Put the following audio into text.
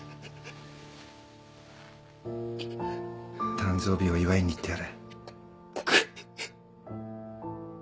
誕生日を祝いに行ってやれ。